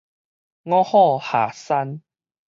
五虎下山